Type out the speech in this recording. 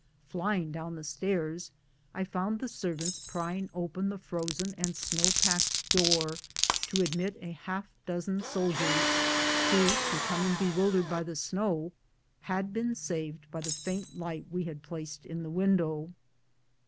Flying down the stairs I found the servants prying open the frozen and 22 BOOTS AND SADDLES. snow packed door, to admit a half dozen soldiers who, becoming bewildered by the snow, had been saved by the faint light we had placed in the window.